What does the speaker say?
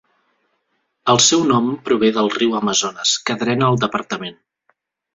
El seu nom prové del riu Amazones que drena el departament.